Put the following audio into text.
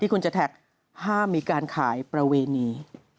คุณจะแท็กห้ามมีการขายประเวณี